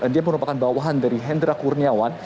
dia merupakan bawahan dari hendra kurniawan